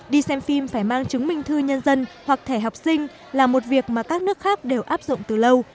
đi xem phim phải mang chứng minh thư nhân dân hoặc thẻ học sinh là một việc mà các nước khác đều áp dụng từ lâu